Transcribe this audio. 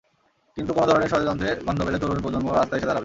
কিন্তু কোনো ধরনের ষড়যন্ত্রের গন্ধ পেলে তরুণ প্রজন্ম রাস্তায় এসে দাঁড়াবে।